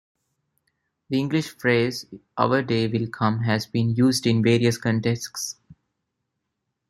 The English phrase "our day will come" has been used in various contexts.